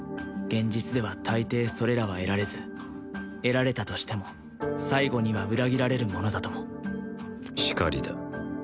現実では大抵それらは得られず得られたとしても最後には裏切られるものだともしかりだ